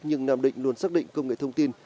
nhưng nam định luôn xác định công nghệ thông tin